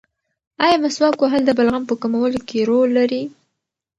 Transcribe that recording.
ایا مسواک وهل د بلغم په کمولو کې رول لري؟